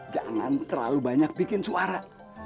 jangan terlalu banyak bikin suara